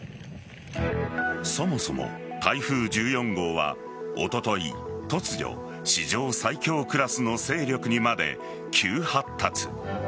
そもそも台風１４号はおととい突如、史上最強クラスの勢力にまで急発達。